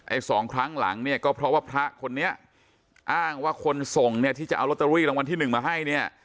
สองครั้งหลังเนี่ยก็เพราะว่าพระคนนี้อ้างว่าคนส่งเนี่ยที่จะเอาลอตเตอรี่รางวัลที่หนึ่งมาให้เนี่ย